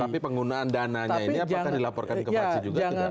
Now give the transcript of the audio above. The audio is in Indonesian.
tetapi penggunaan dananya ini apakah dilaporkan kefraksi juga